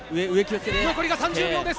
残りが３０秒です。